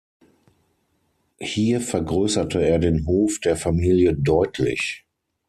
Hier vergrößerte er den Hof der Familie deutlich.